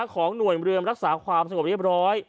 ของหน่วยเรือมรักษาความสงบเรียบร้อย